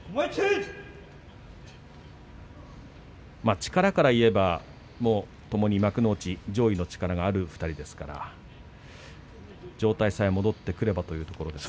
力からいえばともに幕内上位の力がある２人ですから状態さえ戻ってくればというところです。